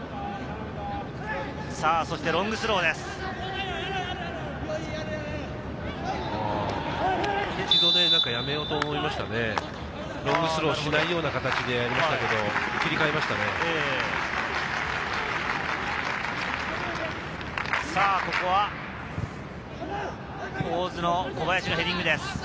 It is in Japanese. そしてロングスローです。